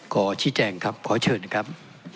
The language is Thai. ขอชี้แจงครับขอเชิญนะครับ